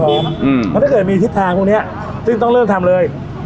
เพราะถ้าเกิดมีทิศทางพวกนี้ซึ่งต้องเริ่มทำเลย